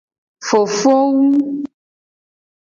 Fofowu.